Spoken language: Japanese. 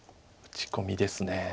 打ち込みですね。